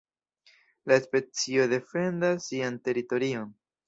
La specio defendas sian teritorion.